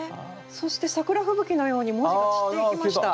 そして桜吹雪のように文字が散っていきました。